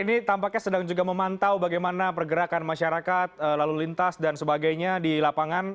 ini tampaknya sedang juga memantau bagaimana pergerakan masyarakat lalu lintas dan sebagainya di lapangan